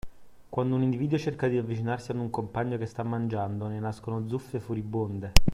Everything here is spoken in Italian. Quando un individuo cerca di avvicinarsi ad un compagno che sta mangiando, ne nascono zuffe furibonde